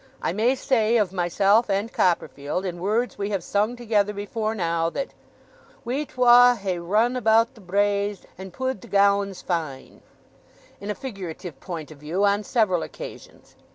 I may say, of myself and Copperfield, in words we have sung together before now, that We twa hae run about the braes And pu'd the gowans' fine in a figurative point of view on several occasions.